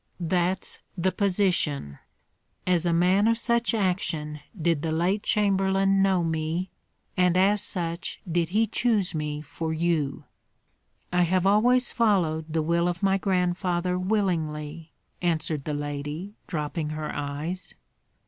That's the position; as a man of such action did the late chamberlain know me, and as such did he choose me for you." "I have always followed the will of my grandfather willingly," answered the lady, dropping her eyes.